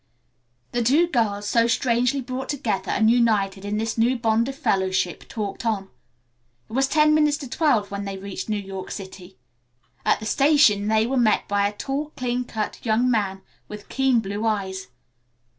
The two girls, so strangely brought together and united in this new bond of fellowship, talked on. It was ten minutes to twelve when they reached New York City. At the station they were met by a tall clean cut, young man with keen blue eyes.